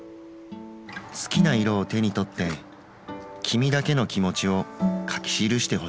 好きな色を手に取ってきみだけの気持ちを書き記してほしい。